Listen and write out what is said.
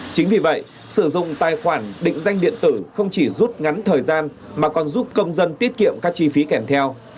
chính vì vậy sử dụng tài khoản định danh điện tử không chỉ rút ngắn thời gian mà còn giúp công dân tiết kiệm các chi phí kèm theo